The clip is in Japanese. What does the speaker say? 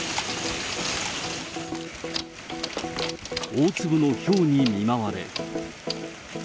大粒のひょうに見舞われ。